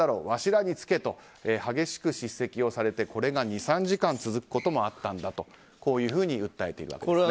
わしらにつけと激しく叱責をされてこれで２３時間続くことがあったんだというふうに訴えているわけです。